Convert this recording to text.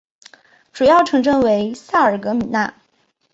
主要城镇为萨尔格米讷。